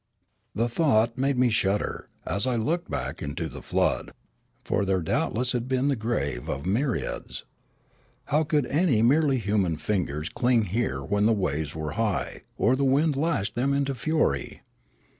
The thought made me shudder, as I looked back into the flood, for there doubtless had been the grave of myriads. How could any merely human fingers cling here when the waves were high, or the wind lashed them into fury